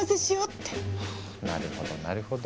なるほどなるほど。